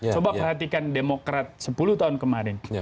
coba perhatikan demokrat sepuluh tahun kemarin